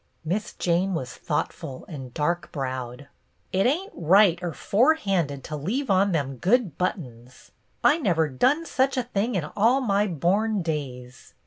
Miss Jane was thoughtful and datk browed. " It ain't right or forehanded to leave on them good buttons. I never done such a thing in all my born days.